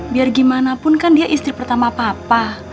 biar gimana pun kan dia istri pertama papa